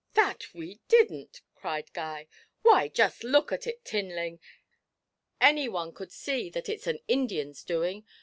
'That we didn't,' cried Guy. 'Why, just look at it, Tinling. Any one could see that it's an Indian's doing.